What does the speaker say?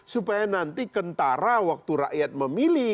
supaya nanti kentara waktu rakyat memilih